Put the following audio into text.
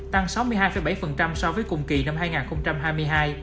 tăng sáu mươi hai bảy so với cùng kỳ năm hai nghìn hai mươi hai